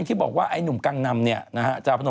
อันนี้ไหนมึงนี่มัน